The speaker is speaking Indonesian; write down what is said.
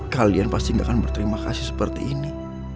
kalian pasti gak akan berterima kasih seperti ini